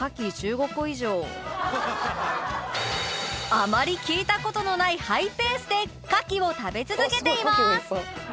あまり聞いた事のないハイペースで牡蠣を食べ続けています